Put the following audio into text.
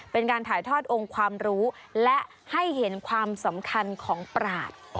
เป็นการถ่ายทอดองค์ความรู้และให้เห็นความสำคัญของปราศ